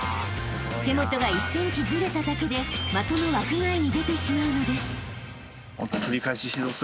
［手元が１ｃｍずれただけで的の枠外に出てしまうのです］